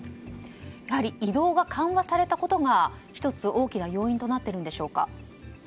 やはり移動が緩和されたことが１つ、大きな要因となっているんでしょうか。